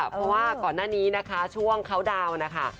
เพราะว่าก่อนหน้านี้นะคะช่วงเขาดาวน์นะคะ